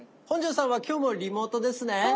本上さんは今日もリモートですね？